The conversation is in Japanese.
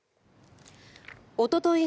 おととい